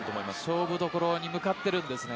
勝負どころに向かっているんですね。